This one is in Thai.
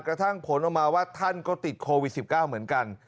กระทั่งผลออกมาว่าท่านก็ติดโควิด๑๙เหมือนกัน